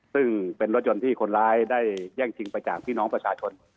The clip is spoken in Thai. ซึ่งเป็นรถยนต์ที่คนร้ายได้แย่งชิงไปจากพี่น้องประชาชน